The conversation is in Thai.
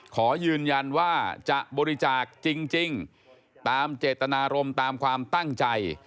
ขอยืนยันว่าจะบริจาคจริงตามเจตนารมณ์ตามความตั้งใจ